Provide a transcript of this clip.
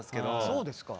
そうですか。